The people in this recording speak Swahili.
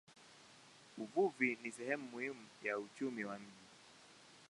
Uvuvi ni sehemu muhimu ya uchumi wa mji.